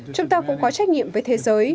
chúng ta cũng có trách nhiệm với thế giới